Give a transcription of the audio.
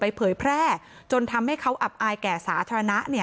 เผยแพร่จนทำให้เขาอับอายแก่สาธารณะ